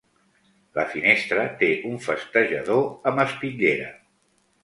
La finestra té un festejador amb espitllera.